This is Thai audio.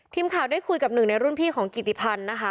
ทีมข่าวได้คุยกับหนึ่งในรุ่นพี่ของกิติพันธ์นะคะ